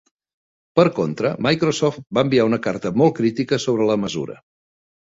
Per contra, Microsoft va enviar una carta molt crítica sobre la mesura.